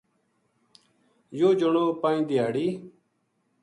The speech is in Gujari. یوہ جنو پنج دھیاڑی